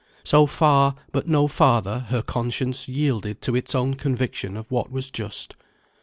So far, but no farther, her conscience yielded to its own conviction of what was just.